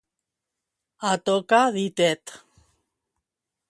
A toca ditet.